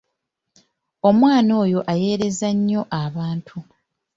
Omwana oyo ayeeyereza nnyo abantu!